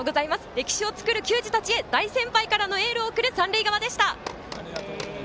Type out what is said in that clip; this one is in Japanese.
歴史を作る球児たちへ大先輩からのエールを送る三塁側でした。